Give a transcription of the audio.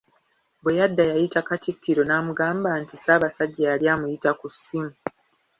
Bwe yadda yayita Katikkiro naamugamba nti Ssabasajja yali amuyita ku ssimu.